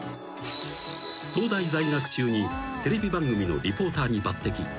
［東大在学中にテレビ番組のリポーターに抜てき］